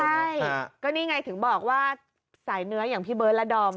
ใช่ก็นี่ไงถึงบอกว่าสายเนื้ออย่างพี่เบิร์ดและดอม